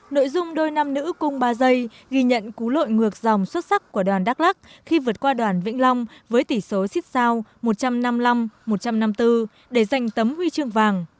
nội dung đôi nam nữ cung ba giây ghi nhận cú lội ngược dòng xuất sắc của đoàn đắk lắc khi vượt qua đoàn vĩnh long với tỷ số xích sao một trăm năm mươi năm một trăm năm mươi bốn để giành tấm huy chương vàng